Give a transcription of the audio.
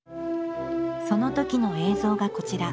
そのときの映像がこちら。